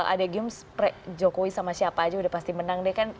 ada games jokowi sama siapa aja udah pasti menang deh kan